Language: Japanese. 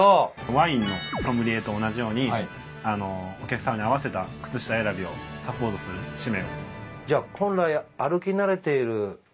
ワインのソムリエと同じようにお客さまに合わせた靴下選びをサポートする使命。